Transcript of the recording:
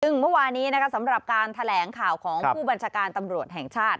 ซึ่งเมื่อวานี้นะคะสำหรับการแถลงข่าวของผู้บัญชาการตำรวจแห่งชาติ